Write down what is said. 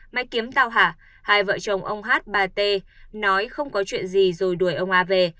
mày kiếm tao hả hai vợ chồng ông h bà t nói không có chuyện gì rồi đuổi ông a về